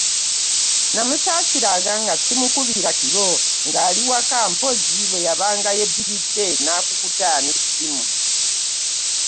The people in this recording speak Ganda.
Namusaasiranga nga simukubira kiro ng'ali waka mpozzi lwe yabanga yebbiridde n'akukuta n'essimu.